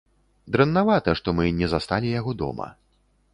Дрэннавата, што мы не засталі яго дома.